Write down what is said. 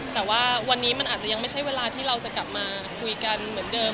แต่ว่าวันนี้มันอาจจะยังไม่ใช่เวลาที่เราจะกลับมาคุยกันเหมือนเดิม